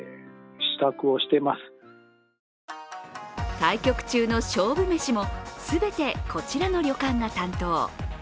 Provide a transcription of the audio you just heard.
対局中の勝負飯も全てこちらの旅館が担当。